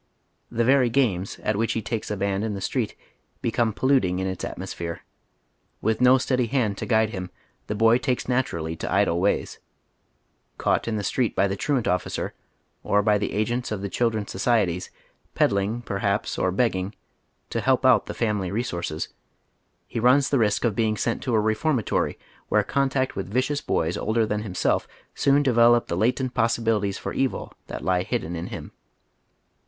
The very games at which he takes a hand in the street become polluting in its atmosphere. With no steady hand to guide him, the boy takes naturally to idle ways. Caught in the street by the tniant officer, or by the agents of the Children's Societies, peddling, perhaps, or begging, to help out tlie family resources, he runs the risk of being sent to a re formatory, where contact with vicious boys older than him self soon develop the latent possibilities for evil _that lie hidden in him.